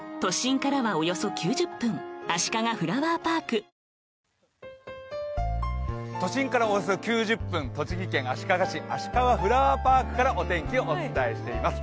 栃木県足利市にあります都心からおよそ９０分、栃木県足利市、あしかがフラワーパークからお天気をお伝えしています。